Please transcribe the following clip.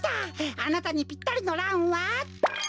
あなたにぴったりのランは。